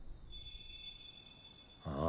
ああ？